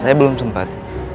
saya belum sempat